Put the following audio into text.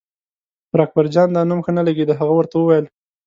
پر اکبرجان دا نوم ښه نه لګېده، هغه ورته وویل.